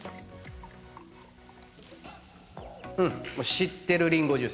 知ってるりんごジュース。